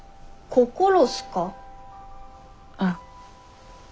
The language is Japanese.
心っすね。